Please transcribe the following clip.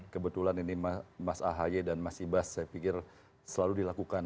kebetulan ini mas ahaye dan mas ibas saya pikir selalu dilakukan